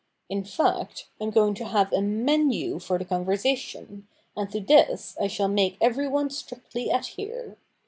In fact, I am going to have a menu for the con versation, and to this I shall ftiake everyone strictly adhere.